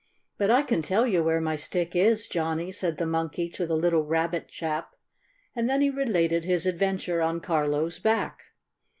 But I can tell you where my stick is, Johnnie," said the Monkey to the little Rabbit chap, and then he related his adventure on Carlo's back.